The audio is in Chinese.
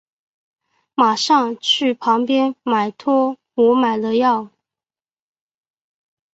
马上去旁边买托我买的药